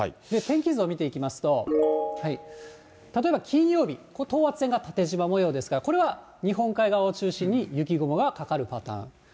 天気図を見ていきますと、例えば金曜日、等圧線が縦じま模様ですから、これは日本海側を中心に、雪雲がかかるパターン。